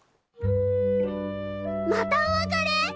またお別れ？